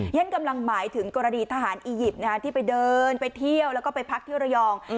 ฉันกำลังหมายถึงกรณีทหารอียิปต์ที่ไปเดินไปเที่ยวแล้วก็ไปพักที่ระยอง